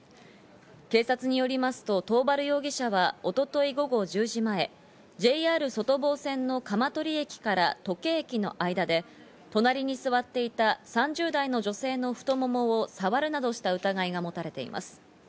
警察によりますと桃原容疑者は一昨日、午後１０時前、ＪＲ外房線の鎌取駅から土気駅の間で隣に座っていた３０代の女性の太ももを触るなどした疑いが持たれています。